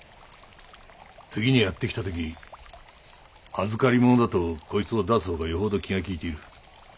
次にやってきた時預かりものだとこいつを出す方がよほど気が利いている。